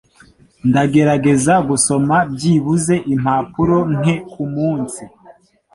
Ndagerageza gusoma byibuze impapuro nke kumunsi.